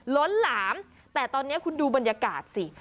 ล้นหลามแต่ตอนนี้คุณดูบรรยากาศสิ